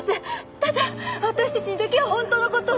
ただ私たちにだけはホントのことを